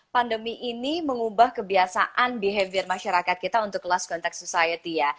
pandemi ini mengubah kebiasaan behavior masyarakat kita untuk kelas contact society ya